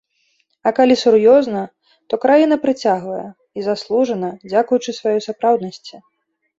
А калі сур'ёзна, то краіна прыцягвае, і заслужана, дзякуючы сваёй сапраўднасці.